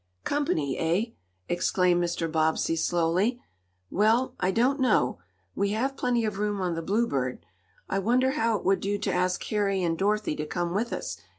"Company, eh?" exclaimed Mr. Bobbsey, slowly. "Well, I don't know. We have plenty of room on the Bluebird. I wonder how it would do to ask Harry and Dorothy to come with us?"